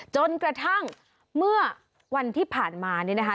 จนกระทั่งเมื่อวันที่ผ่านมานี่นะคะ